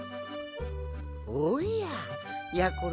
おややころ